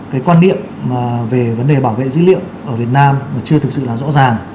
cái quan điểm về vấn đề bảo vệ dữ liệu ở việt nam chưa thực sự rõ ràng